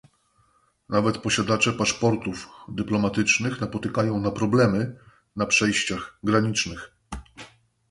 Nawet posiadacze paszportów dyplomatycznych napotykają na problemy na przejściach granicznych